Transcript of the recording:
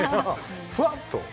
ふわっと。